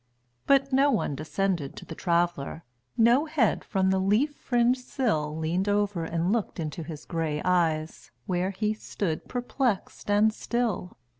But no one descended to the Traveler; No head from the leaf fringed sill Leaned over and looked into his gray eyes, Where he stood perplexed and still.